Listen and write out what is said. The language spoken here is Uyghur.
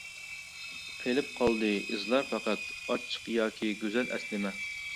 قېلىپ قالدى ئىزلارلا پەقەت، ئاچچىق ياكى گۈزەل ئەسلىمە.